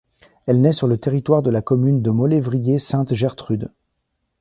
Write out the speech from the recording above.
Elle naît sur le territoire de la commune de Maulévrier-Sainte-Gertrude.